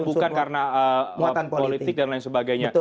bukan karena politik dan lain sebagainya